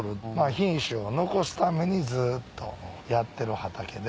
品種を残すためにずっとやってる畑で。